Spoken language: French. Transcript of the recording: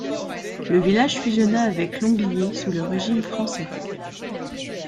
Le village fusionna avec Longlier sous le régime français.